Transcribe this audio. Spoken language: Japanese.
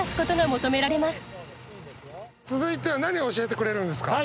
続いては何を教えてくれるんですか？